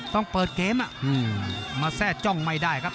ต้องเปิดเกมมาแทร่จ้องไม่ได้ครับ